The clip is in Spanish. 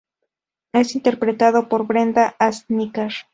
Es interpretado por Brenda Asnicar.